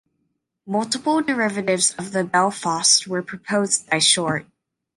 Multiple derivatives of the Belfast were proposed by Short.